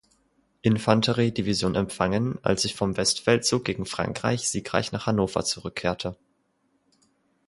Infanterie-Division empfangen, als sie vom Westfeldzug gegen Frankreich siegreich nach Hannover zurückkehrte.